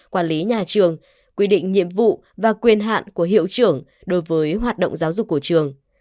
quản lý nhà trường quy định nhiệm vụ và quyền hạn của hiệu trưởng đối với hoạt động giáo dục của trường